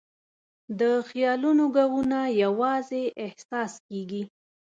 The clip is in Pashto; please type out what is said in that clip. د خیالونو ږغونه یواځې احساس کېږي.